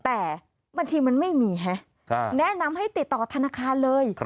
แต่บัญชีมันไม่มีฮะแนะนำให้ติดต่อธนาคารเลย